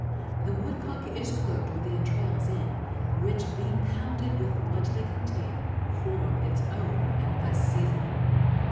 "The woodcock is cooked with the entrails in, which, being pounded with what they contain, form its own and best seasoning."